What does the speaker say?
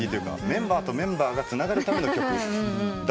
メンバーとメンバーがつながるための曲だったと思う。